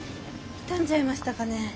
傷んじゃいましたかね。